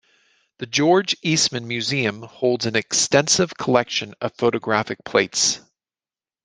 The George Eastman Museum holds an extensive collection of photographic plates.